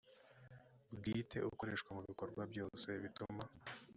bwite ukoreshwa mu bikorwa byose bituma